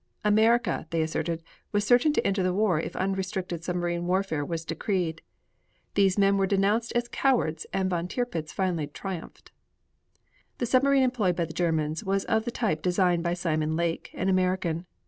America, they asserted, was certain to enter the war if unrestricted submarine warfare was decreed. These men were denounced as cowards and von Tirpitz finally triumphed. The submarine employed by the Germans was of the type designed by Simon Lake, an American.